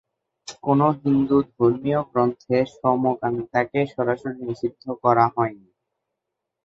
কোনো হিন্দু ধর্মীয় গ্রন্থে সমকামিতাকে সরাসরি নিষিদ্ধ করা হয়নি।